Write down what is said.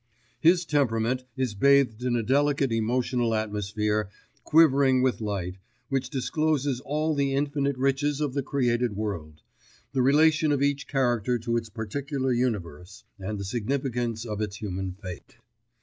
His temperament is bathed in a delicate emotional atmosphere quivering with light, which discloses all the infinite riches of the created world, the relation of each character to its particular universe, and the significance of its human fate.